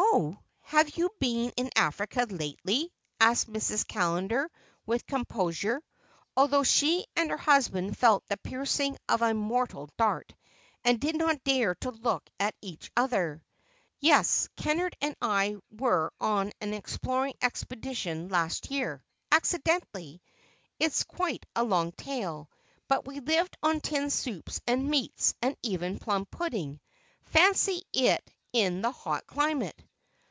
"Oh, have you been in Africa lately?" asked Mrs. Callender with composure, although she and her husband felt the piercing of a mortal dart, and did not dare to look at each other. "Yes, Kennard and I were on an exploring expedition last year, accidentally; it's quite a long tale—but we lived on tinned soups and meats, and even plum pudding—fancy it in the hot climate!